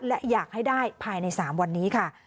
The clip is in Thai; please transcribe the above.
และอยากให้ได้ภายใน๓วันนี้ค่ะ